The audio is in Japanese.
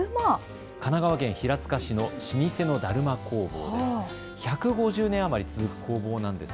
神奈川県平塚市の老舗のだるま工房です。